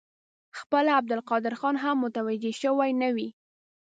خپله عبدالقادر خان هم متوجه شوی نه وي.